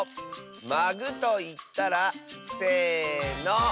「まぐ」といったら？せの。